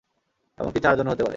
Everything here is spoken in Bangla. এমনকি চারজনও হতে পারে।